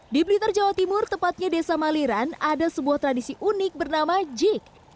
di blitar jawa timur tepatnya desa maliran ada sebuah tradisi unik bernama jik